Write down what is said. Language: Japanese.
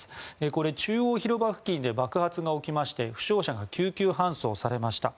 これ、中央広場付近で爆発が起きまして負傷者が救急搬送されました。